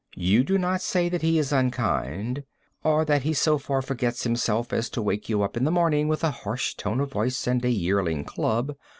You do not say that he is unkind or that he so far forgets himself as to wake you up in the morning with a harsh tone of voice and a yearling club.